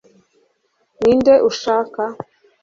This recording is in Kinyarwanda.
ninde ushaka